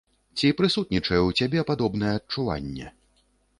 Ці прысутнічае ў цябе падобнае адчуванне?